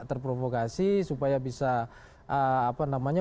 terprovokasi supaya bisa